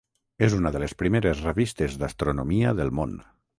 És una de les primeres revistes d'astronomia del món.